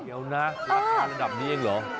เดี๋ยวนะราคาระดับนี้เองเหรอ